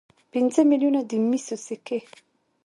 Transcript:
پنځه میلیونه د مسو سکې.